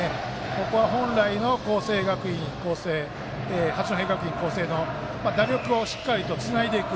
ここは、本来の八戸学院光星の打力をしっかりつないでいく。